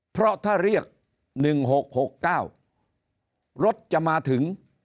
เพราะถ้าเรียก๑๖๖๙รถจะมาถึง